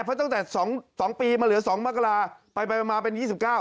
เพราะตั้งแต่๒ปีมาเหลือ๒มกราไปมาเป็น๒๙